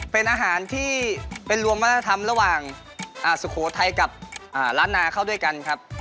เป็นอาหารที่เป็นรวมวัฒนธรรมระหว่างสุโขทัยกับล้านนาเข้าด้วยกันครับ